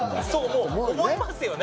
もう思いますよね。